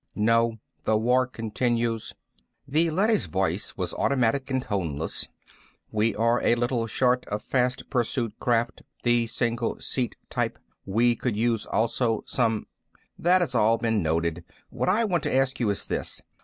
"No. The war continues." The leady's voice was automatic and toneless. "We are a little short of fast pursuit craft, the single seat type. We could use also some " "That has all been noted. What I want to ask you is this.